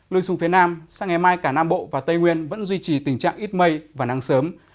lưu xuống phía nam sang ngày mai cả nam bộ và tây nguyên vẫn duy trì tình trạng ít mây và nắng sớm